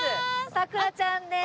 咲楽ちゃんです。